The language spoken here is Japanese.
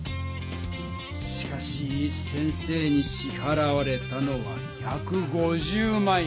しかし先生にしはらわれたのは１５０万円。